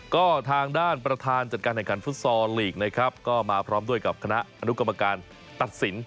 ก็ทางด้านประธานจัดการแห่งขุลลีกนะครับก็มาพร้อมด้วยกับคณะอนุกรรมการตัดสิน